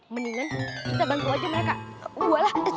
mendingan kita bantu aja mereka